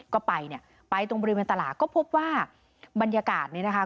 ก็ไปเนี่ยไปตรงบริเวณตลาดก็พบว่าบรรยากาศนี้นะคะ